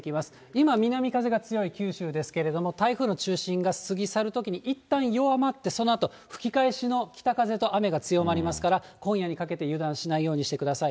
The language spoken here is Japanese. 今、南風が強い九州ですけれども、台風の中心が過ぎ去るときにいったん弱まって、そのあと吹き返しの北風と雨が強まりますから、今夜にかけて油断しないようにしてください。